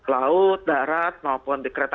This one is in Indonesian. laut darat maupun di kereta